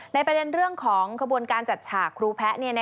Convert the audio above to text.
ประเด็นเรื่องของขบวนการจัดฉากครูแพะ